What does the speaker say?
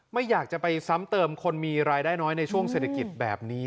ไม่อยากจะไปซ้ำเติมคนมีรายได้น้อยในช่วงเศรษฐกิจแบบนี้